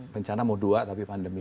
bencana mau dua tapi pandemi